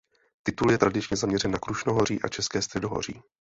Titul je tradičně zaměřen na Krušnohoří a České středohoří.